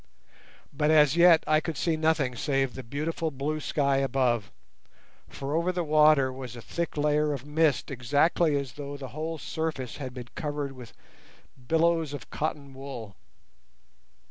But as yet I could see nothing save the beautiful blue sky above, for over the water was a thick layer of mist exactly as though the whole surface had been covered with billows of cotton wool.